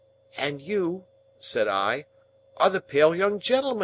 "And you," said I, "are the pale young gentleman!"